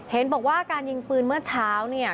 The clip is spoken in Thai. เห็นบอกว่าการยิงปืนเมื่อเช้าเนี่ย